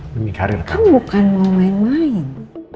kamu bukan mau main main